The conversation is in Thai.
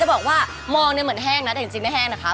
ชั่วโมงค่ะเป็นเจอกัน